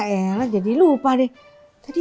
eh jatoh deh tuh